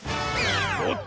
おっと！